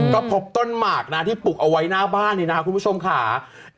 ก็พบต้นหมากที่ปลุกเอาไว้หน้าบ้านคุณผู้ชมค่ะ